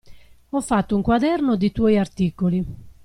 Ho fatto un quaderno di tuoi articoli.